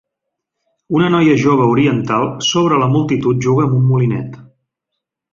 Una noia jove oriental sobre la multitud juga amb un molinet